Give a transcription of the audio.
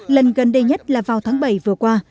lần gần đây nhất là vào tháng bảy vừa qua